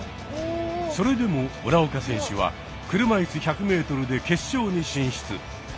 それでも村岡選手は車いす１００ｍで決勝に進出。